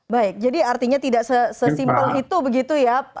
baik jadi artinya tidak sesimpel itu begitu ya